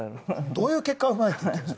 どういう結果を踏まえて言っているの？